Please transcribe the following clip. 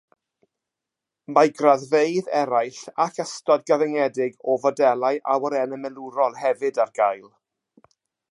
Mae graddfeydd eraill ac ystod gyfyngedig o fodelau awyrennau milwrol hefyd ar gael.